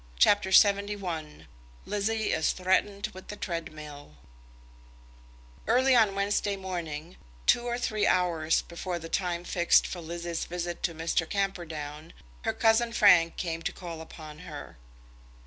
CHAPTER LXXI Lizzie Is Threatened with the Treadmill Early on the Wednesday morning, two or three hours before the time fixed for Lizzie's visit to Mr. Camperdown, her cousin Frank came to call upon her.